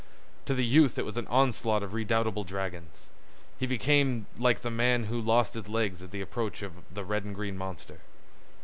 To the youth it was an onslaught of redoubtable dragons. He became like the man who lost his legs at the approach of the red and green monster.